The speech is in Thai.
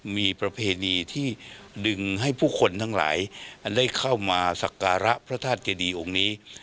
มีประเพณีที่ดึงให้ผู้คนทั้งหลายอันได้เข้ามาสักการะพระธาตุเจดีองค์นี้